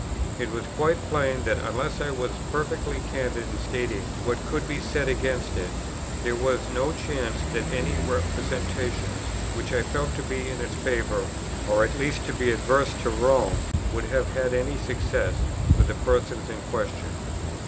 It was quite plain that, unless I was perfectly candid in stating what could be said against it, there was no chance that any representations, which I felt to be in its favour, or at least to be adverse to Rome, would have had any success with the persons in question.